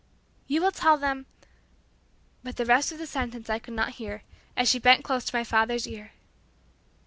"You will tell them" but the rest of the sentence I could not hear, as she bent close to my father's ear.